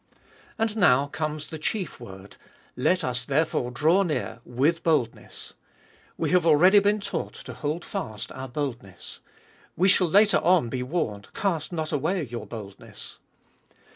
And now comes the chief word, " Let us therefore draw near with boldness." We have already been taught to hold fast our boldness. We shall later on be warned, cast not away your boldness.